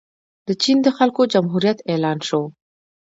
د چین د خلکو جمهوریت اعلان شو.